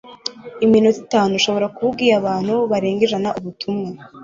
iminota itanu, ushobora kuba ubwiye abantu barenga ijana ubutumwa